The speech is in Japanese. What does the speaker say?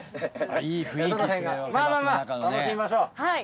まあまあ楽しみましょう。